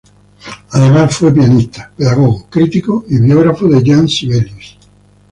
Fue además pianista, pedagogo, crítico y biógrafo de Jean Sibelius.